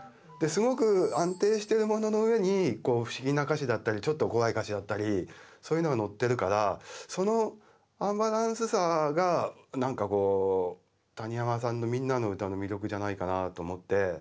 すごく安定してるものの上に不思議な歌詞だったりちょっと怖い歌詞だったりそういうのがのってるからそのアンバランスさがなんかこう谷山さんの「みんなのうた」の魅力じゃないかなと思って。